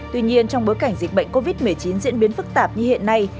tuy nhiên trong bối cảnh dịch bệnh covid một mươi chín diễn biến phức tạp như hiện nay